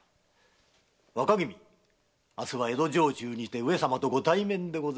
若君明日は江戸城中にて上様とご対面でございますぞ。